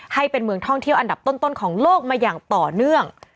ให้เป็นเมืองท่องเที่ยวอันดับต้นของโลกมาอย่างต่อเนื่อง